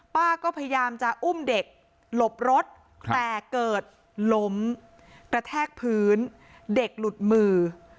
ป้าก็พยายามจะอุ้มเด็กหลบรถแต่เกิดล้มกระแทกพื้นเด็กหลุดมือ